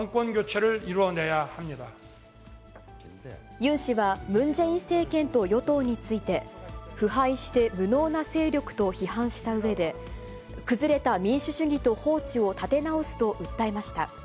ユン氏はムン・ジェイン政権と与党について、腐敗して無能な勢力と批判したうえで、崩れた民主主義と法治を立て直すと訴えました。